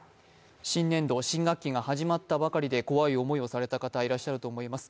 新年度、新学期が始まったばかりで怖い思いをされた方、いると思います。